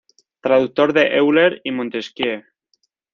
Traductor de Euler y Montesquieu.